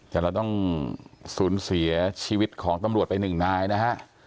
แต่เราต้องสูญเสียชีวิตของตำรวจไปหนึ่งนายนะฮะ